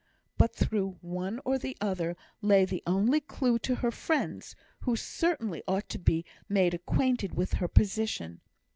But through one or the other lay the only clue to her friends, who certainly ought to be made acquainted with her position.